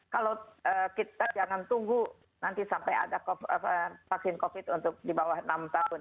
kalau kita jangan tunggu nanti sampai ada vaksin covid untuk di bawah enam tahun